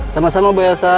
sama sama bu elsa